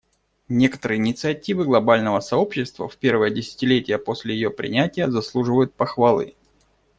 Некоторые инициативы глобального сообщества в первое десятилетие после ее принятия заслуживают похвалы.